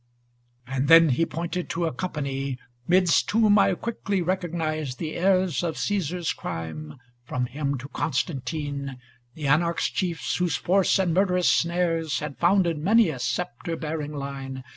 And then he pointed to a company, 'Midst whom I quickly recognized the heirs Of Caesar's crime, from him to Constan tine; The anarch chiefs, whose force and mur derous snares Had founded many a sceptre bearing line.